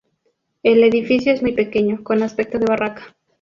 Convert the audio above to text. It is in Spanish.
El edificio es muy pequeño, con aspecto de barraca.